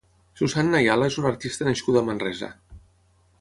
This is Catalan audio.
Susanna Ayala és una artista nascuda a Manresa.